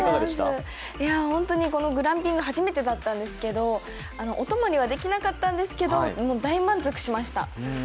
本当にこのグランピングは初めてだったんですけど、お泊まりはできなかったんですけど大満足しました。